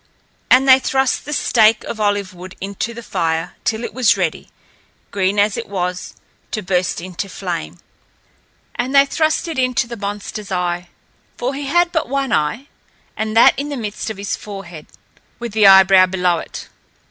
And they thrust the stake of olive wood into the fire till it was ready, green as it was, to burst into flame, and they thrust it into the monster's eye; for he had but one eye, and that in the midst of his forehead, with the eyebrow below it.